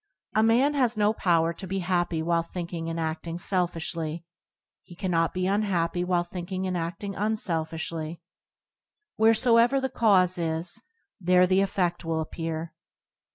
A man has no power to be happy while thinkingand ading selfishly; he cannot be unhappy while thinking and ading unselfishly. Wheresoever the cause is, there the effed will appear.